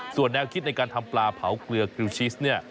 ส่วนแนวคิดในการทำปลาเผาเกลือกริวชิสเนี่ย